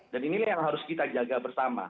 dan inilah yang harus kita jaga bersama